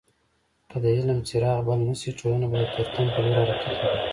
که د علم څراغ بل نسي ټولنه به د تورتم په لور حرکت وکړي.